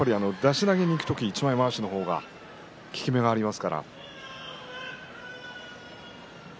出し投げにいく時一枚まわしの方が効き目があります。